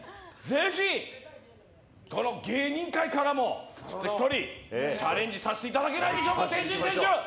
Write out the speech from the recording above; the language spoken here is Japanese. ぜひこの芸人界からも一人チャレンジさせていただけないでしょうか、天心選手。